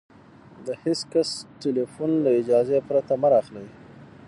د هېڅ کس ټلیفون له اجازې پرته مه را اخلئ!